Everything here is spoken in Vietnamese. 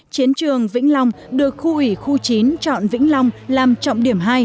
chiến trường vĩnh long được khu ủy khu chín chọn vĩnh long làm trọng điểm hai